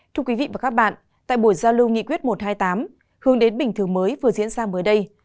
thưa quý vị và các bạn tại buổi giao lưu nghị quyết một trăm hai mươi tám hướng đến bình thường mới vừa diễn ra mới đây